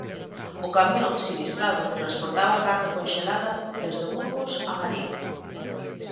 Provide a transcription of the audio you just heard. O camión sinistrado transportaba carne conxelada desde Burgos a Marín.